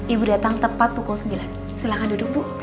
ibu datang tepat pukul sembilan silahkan duduk bu